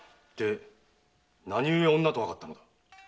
何故女とわかったのだ？